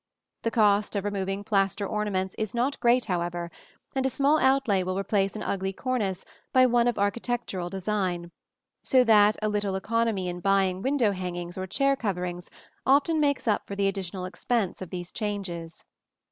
The cost of removing plaster ornaments is not great, however, and a small outlay will replace an ugly cornice by one of architectural design; so that a little economy in buying window hangings or chair coverings often makes up for the additional expense of these changes.